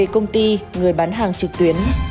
công ty người bán hàng trực tuyến